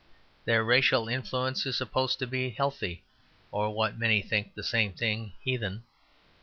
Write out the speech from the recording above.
Their racial influence is supposed to be healthy, or, what many think the same thing, heathen.